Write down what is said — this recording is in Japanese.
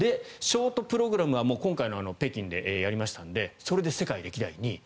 ショートプログラムは今回の北京でやりましたのでそれで世界歴代２位。